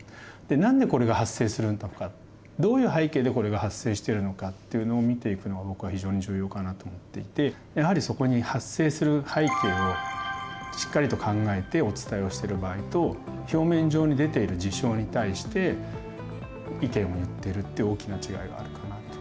何でこれが発生するのかどういう背景でこれが発生しているのかっていうのを見ていくのが僕は非常に重要かなと思っていてやはりそこに発生する背景をしっかりと考えてお伝えをしてる場合と表面上に出ている事象に対して意見を言ってるって大きな違いがあるかなと。